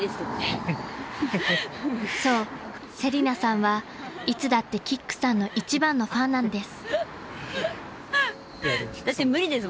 ［そう瀬里菜さんはいつだってキックさんの一番のファンなんです］